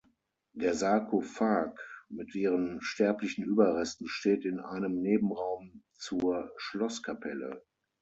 Der Sarkophag mit ihren sterblichen Überresten steht in einem Nebenraum zur Schlosskapelle.